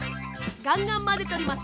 ガンガンまぜております。